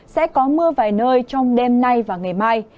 sẽ có mưa vài nơi trong đêm nay và ngày mai